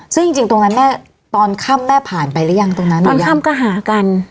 ซึ่งจริงตรงนั้นแม่ตอนค่ำแม่ผ่านไปรึยังตรงนั้นอะยัง